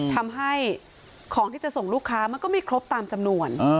ทำให้ของที่จะส่งลูกค้ามันก็ไม่ครบตามจำนวน